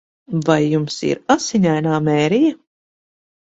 Vai jums ir Asiņainā Mērija?